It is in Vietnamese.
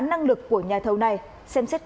năng lực của nhà thầu này xem xét